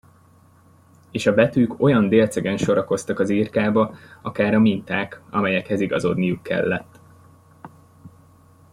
És a betűk olyan délcegen sorakoztak az irkába, akár a minták, amelyekhez igazodniuk kellett.